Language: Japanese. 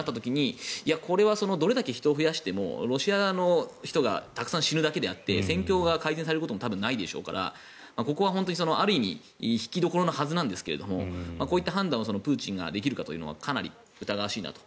これはどれだけ人を増やしてもロシアの人がたくさん死ぬだけであって戦況が改善されることもないでしょうからここは本当にある意味引きどころのはずなんですがこういった判断をプーチンができるかというのはかなり疑わしいなと。